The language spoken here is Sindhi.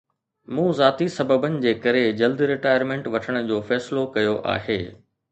مون ذاتي سببن جي ڪري جلد رٽائرمينٽ وٺڻ جو فيصلو ڪيو آهي